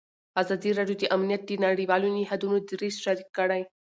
ازادي راډیو د امنیت د نړیوالو نهادونو دریځ شریک کړی.